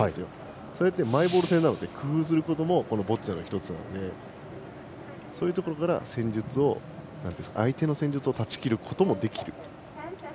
それってマイボール制なので工夫することもこのボッチャの１つなのでそういうところから相手の戦術を断ち切ることもできる。